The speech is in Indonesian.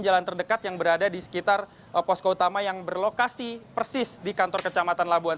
jalan terdekat yang berada di sekitar posko utama yang berlokasi persis di kantor kecamatan labuan